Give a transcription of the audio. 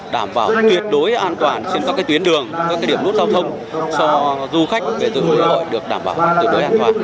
đảm bảo tuyệt đối an toàn trên các tuyến đường các điểm nút giao thông cho du khách về dưới huyện hội được đảm bảo tuyệt đối an toàn